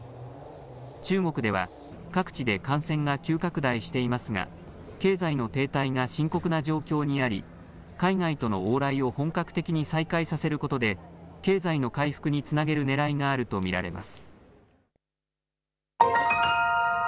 中国では、各地で感染が急拡大していますが、経済の停滞が深刻な状況にあり、海外との往来を本格的に再開させることで、経済の回復につなげるねらいがあると見られます。